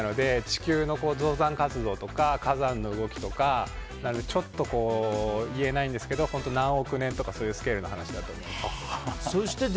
地球の活動とか火山の動きとか言えないんですけど何億年とかそういうスケールの話だと思います。